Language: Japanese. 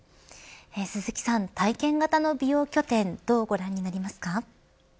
鈴木さん、体験型の美容拠点どうご覧になりますか。